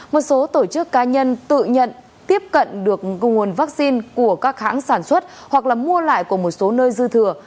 một số tổ chức cá nhân tự nhận tiếp cận được nguồn vaccine của các hãng sản xuất hoặc là mua lại của một số nơi dư thừa